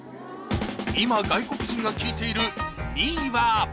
今外国人が聴いている２位は